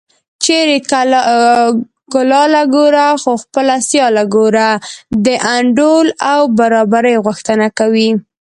چېرې کلاله ګوره خو خپله سیاله ګوره د انډول او برابرۍ غوښتنه کوي